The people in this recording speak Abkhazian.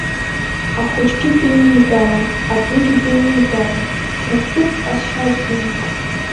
Ахәыҷгьы деиликаауан, адугьы деиликаауан, закәытә ҟазшьаз имаз!